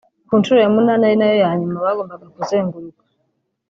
Ku nshuro ya munani ari nayo ya nyuma bagombaga kuzenguruka